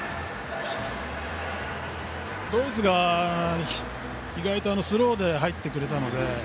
ドイツが意外とスローで入ってくれたので。